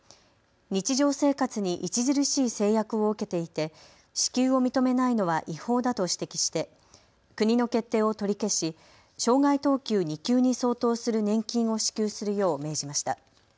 日常生活に著しい制約を受けていて支給を認めないのは違法だと指摘して国の決定を取り消し障害等級２級に相当する年金を支給するよう命じました。